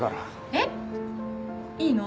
えっ？いいの？